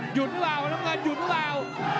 หยุดหรือเปล่าน้ำเงินหยุดหรือเปล่า